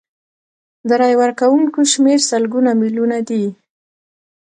د رایې ورکوونکو شمیر سلګونه میلیونه دی.